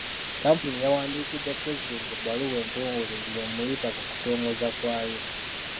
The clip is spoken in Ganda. Kkampuni yawandiikidde pulezidenti ebbaluwa entongole ng'emuyita ku kutongoza kwayo.